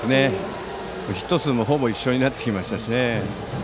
ヒット数もほぼ一緒になってきました。